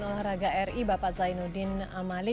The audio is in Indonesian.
olahraga ri bapak zainuddin amali